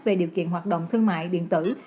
về điều kiện hoạt động thương mại điện tử